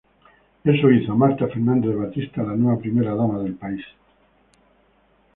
Eso hizo a Marta Fernández de Batista la nueva Primera Dama del país.